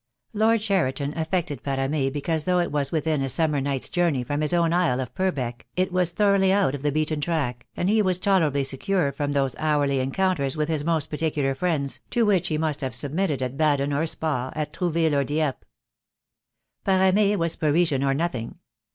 Lord Cheriton affected Parame because though it was THE DAY WILL COME. Q7 within a summer night's journey from his own Isle of Purbeck, it was thoroughly out of the beaten track, and he was tolerably secure from those hourly encounters with his most particular friends, to which he must have sub mitted at Baden or Spa, at Trouville or Dieppe. Parame was Parisian or nothing.